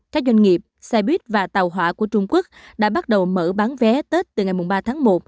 các doanh nghiệp xe buýt và tàu hỏa của trung quốc đã bắt đầu mở bán vé tết từ ngày ba tháng một